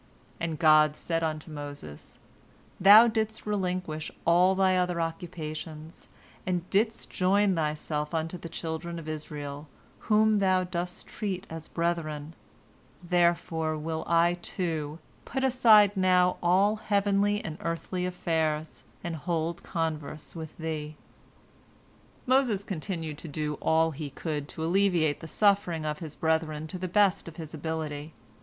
And God said unto Moses: "Thou didst relinquish all thy other occupations, and didst join thyself unto the children of Israel, whom thou dost treat as brethren; therefore will I, too, put aside now all heavenly and earthly affairs, and hold converse with thee." Moses continued to do all he could to alleviate the suffering of his brethren to the best of his ability.